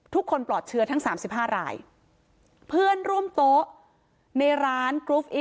ปลอดเชื้อทั้งสามสิบห้ารายเพื่อนร่วมโต๊ะในร้านกรุ๊ป